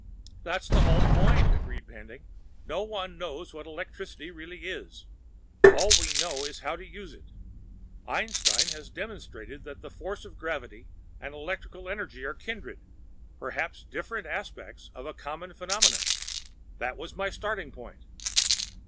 "That's the whole point," agreed Pending. "No one knows what electricity really is. All we know is how to use it. Einstein has demonstrated that the force of gravity and electrical energy are kindred; perhaps different aspects of a common phenomenon. That was my starting point."